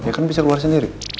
ya kan bisa keluar sendiri